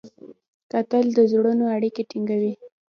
کتل د زړونو اړیکې ټینګوي